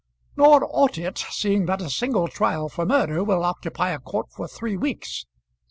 "Nor ought it, seeing that a single trial for murder will occupy a court for three weeks.